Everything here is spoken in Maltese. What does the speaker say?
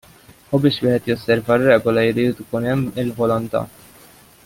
U biex wieħed josserva r-regoli jrid ikun hemm il-volontá.